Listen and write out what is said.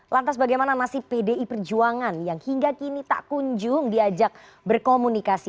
lantas bagaimana nasib pdi perjuangan yang hingga kini tak kunjung diajak berkomunikasi